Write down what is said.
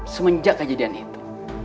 semenjak kejadian itu